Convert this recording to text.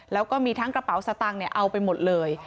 แล้วก็มีทั้งกระเป๋าสตางค์เอาไปหมดเลย